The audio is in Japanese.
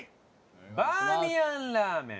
バーミヤンラーメン